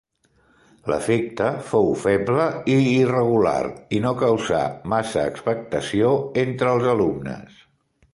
L'efecte fou feble i irregular i no causà massa expectació entre els alumnes.